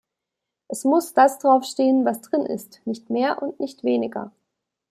Es muss das draufstehen, was drin ist, nicht mehr und nicht weniger.